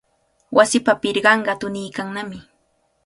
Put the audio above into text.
Wasipa pirqanqa tuniykannami.